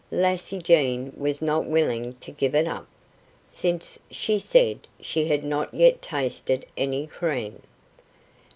Lassie Jean was not willing to give it up, since she said she had not yet tasted any cream.